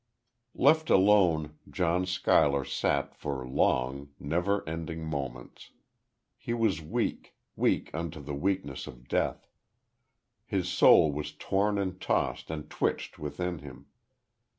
Left alone, John Schuyler sat for long, never ending moments. He was weak weak unto the weakness of death. His soul was torn and tossed and twitched within him.